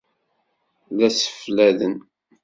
La ssefladen.